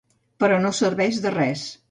Però no serveix de res.